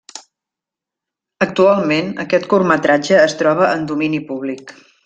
Actualment aquest curtmetratge es troba en Domini públic.